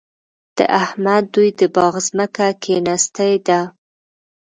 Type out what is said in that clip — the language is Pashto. د احمد دوی د باغ ځمکه کېنستې ده.